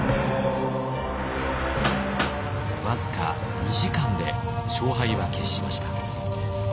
僅か２時間で勝敗は決しました。